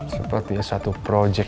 sepertinya satu projek